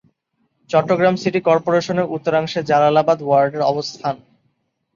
Chittagong city কর্পোরেশনের উত্তরাংশে জালালাবাদ ওয়ার্ডের অবস্থান।